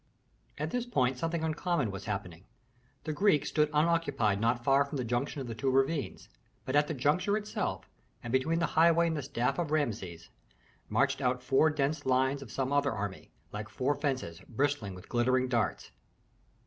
At this point something uncommon was happening. The Greeks stood unoccupied not far from the junction of the two ravines; but at the juncture itself, and between the highway and the staff of Rameses, marched out four dense lines of some other army, like four fences, bristling with glittering darts.